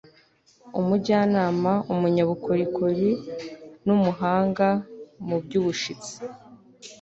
umujyanama, umunyabukorikori n'umuhanga mu by'ubushitsi